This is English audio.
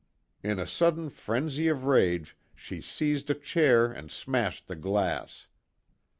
In a sudden frenzy of rage she seized a chair and smashed the glass.